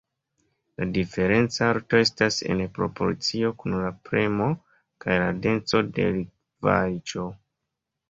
La diferenca alto estas en proporcio kun la premo kaj la denso de likvaĵo.